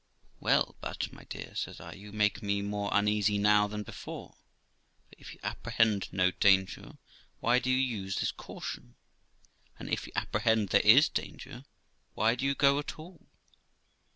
'Well, but, my dear', says I, 'you make me more uneasy now than before ; for if you apprehend no danger, why do you use this caution ? and if you apprehend there is danger, why do you go at all?'